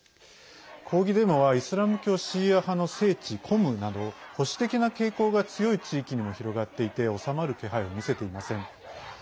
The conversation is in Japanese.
抗議デモはイスラム教シーア派の聖地コムなど保守的な傾向が強い地域にも広がっていて収まる気配を見せていません。